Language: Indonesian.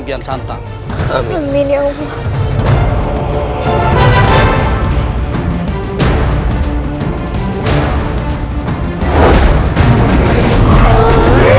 tidakango ini semua roguey heavy pada mengaki people